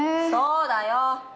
そうだよ。